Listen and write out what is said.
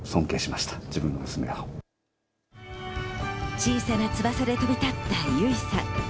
小さな翼で飛び立った由依さん。